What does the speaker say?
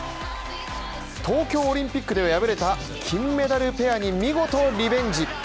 東京オリンピックでは敗れた金メダルペアに、見事リベンジ。